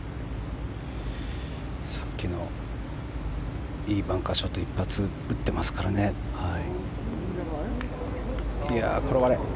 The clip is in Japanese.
さっきのいいバンカーショットを一発打っていますからね。転がれ。